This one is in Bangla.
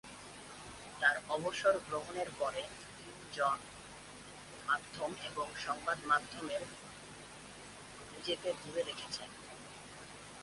তার অবসর গ্রহণের পরে, কিম জন মাধ্যম এবং সংবাদ মাধ্যমের নিজেকে দূরে রেখেছেন।